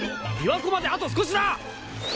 琵琶湖まであと少しだ。